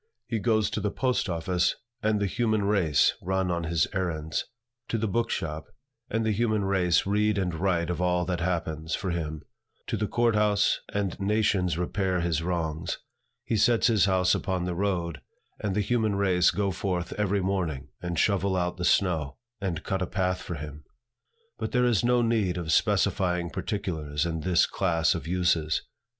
He goes to the post office, and the human race run on his errands; to the book shop, and the human race read and write of all that happens, for him; to the court house, and nations repair his wrongs. He sets his house upon the road, and the human race go forth every morning, and shovel out the snow, and cut a path for him. But there is no need of specifying particulars in this class of uses.